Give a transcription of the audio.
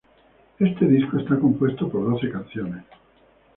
Este disco está compuesto por doce canciones.